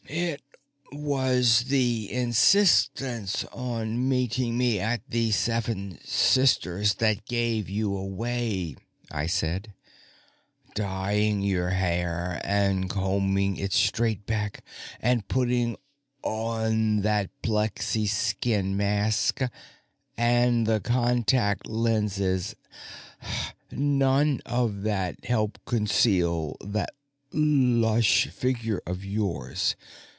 "It was the insistence on meeting me at the Seven Sisters that gave you away," I said. "Dyeing your hair and combing it straight back, and putting on that plexiskin mask and the contact lenses none of that helped conceal that lush figure of yours.